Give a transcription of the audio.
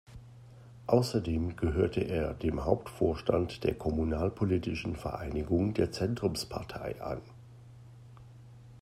Außerdem gehörte er dem Hauptvorstand der kommunalpolitischen Vereinigung der Zentrumspartei an.